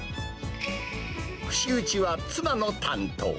串打ちは妻の担当。